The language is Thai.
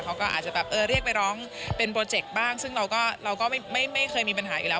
เขาก็อาจจะแบบเออเรียกไปร้องเป็นโปรเจคบ้างซึ่งเราก็ไม่เคยมีปัญหาอยู่แล้ว